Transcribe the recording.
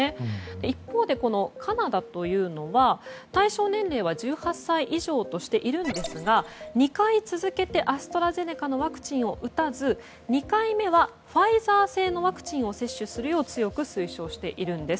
一方でカナダというのは対象年齢は１８歳以上としているんですが２回続けてアストラゼネカのワクチンを打たず、２回目はファイザー製のワクチンを接種するよう強く推奨しているんです。